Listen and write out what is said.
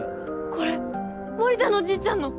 これ森田のじいちゃんの。